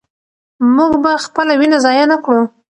موږ به خپله وینه ضایع نه کړو.